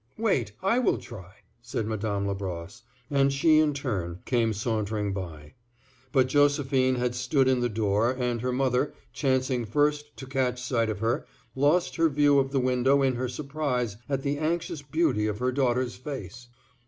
"Wait! I will try," said Madame Labrosse, and she in turn came sauntering by. But Josephine had stood in the door, and her mother, chancing first to catch sight of her, lost her view of the window in her surprise at the anxious beauty of her daughter's face.